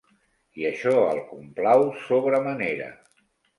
I això el complau sobre manera.